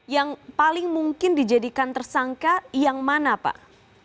yang paling mungkin dijadikan tersangka yang mana pak